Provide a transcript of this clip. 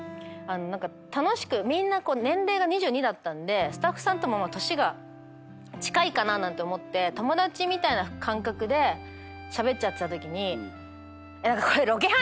楽しくみんな年齢が２２だったんでスタッフさんとも年が近いかななんて思って友達みたいな感覚でしゃべっちゃってたときに。